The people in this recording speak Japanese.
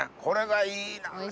これがいいな！